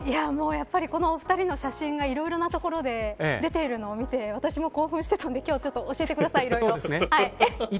やっぱりこの２人の写真がいろいろなところで出ているのを見て私も興奮していたので、今日はいろいろ教えてください。